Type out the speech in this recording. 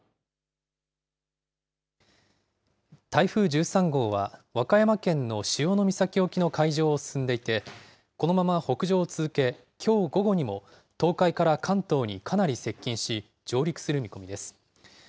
台風１３号は、和歌山県の潮岬沖の海上を進んでいて、このまま北上を続け、きょう午後にも、東海から関東にかなり接近し上陸する見込みです。